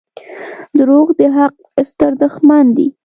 • دروغ د حق ستر دښمن دي.